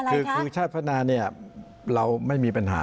โดยคือชาติพัฒนาเราไม่มีปัญหา